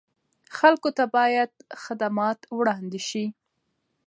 خلکو ته باید خدمات وړاندې شي.